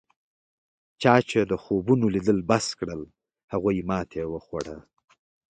چا چې د خوبونو لیدل بس کړل هغوی ماتې وخوړه.